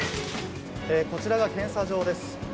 こちらが検査場です。